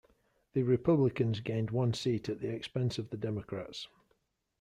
The Republicans gained one seat at the expense of the Democrats.